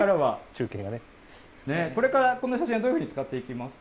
これからこの写真をどんなふうに使っていきますか。